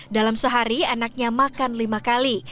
dalam sehari anaknya makan lima kali